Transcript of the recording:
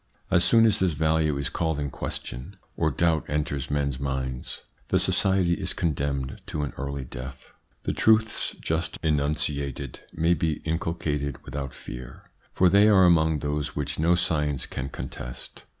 As soon as this value is called in question, or doubt enters men's minds, the society is condemned to an early death. The truths just enunciated may be inculcated without fear, for they are among those which no science can contest.